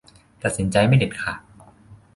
ตัดสินใจไม่เด็ดขาด